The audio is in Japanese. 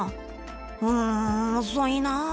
「うん遅いなぁ。